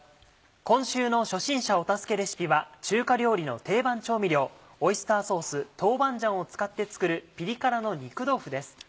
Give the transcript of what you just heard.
今週の初心者お助けレシピは中華料理の定番調味料オイスターソース豆板醤を使って作るピリ辛の肉豆腐です。